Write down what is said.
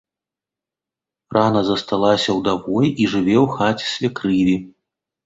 Рана засталася ўдавой і жыве ў хаце свекрыві.